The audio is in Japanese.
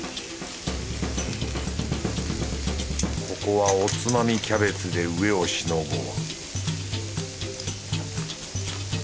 ここはおつまみキャベツで飢えをしのごう